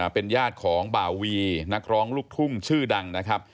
เป็นญาติของบ่าวีนักร้องลูกทุ่งชื่อดังนะครับ